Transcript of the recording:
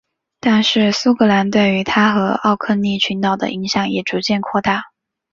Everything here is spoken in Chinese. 但是苏格兰对于它和奥克尼群岛的影响也逐渐扩大。